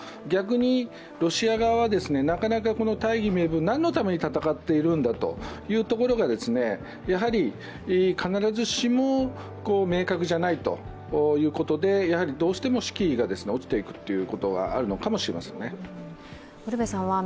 逆にロシア側は、なかなか大義名分何のために戦っているんだというところがやはり必ずしも明確じゃないということで、どうしても士気が落ちていくということがあるのかもしれません。